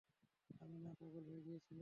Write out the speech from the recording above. আমি না পাগল হয়ে গিয়েছিলাম!